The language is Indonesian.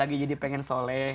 lagi jadi pengen soleh